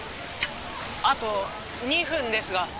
あと２分ですが。